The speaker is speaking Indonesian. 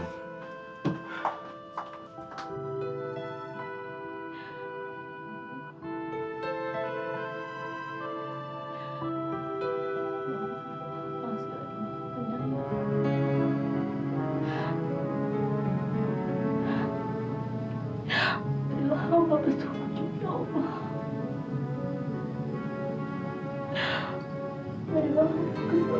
maaf pak hasan